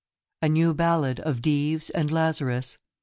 A NEW BALLAD OF DIVES AND LAZARUS.